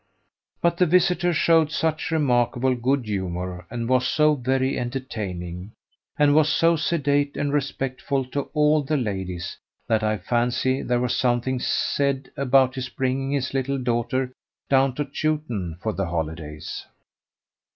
But the visitor showed such remarkable good humour, and was so very entertaining and was so sedate and respectful to all the ladies that I fancy there was something said about his bringing his little daughter down to Chewton for the holidays.